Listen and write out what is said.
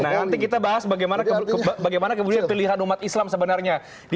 nah nanti kita bahas bagaimana kemudian pilihan umat islam sebenarnya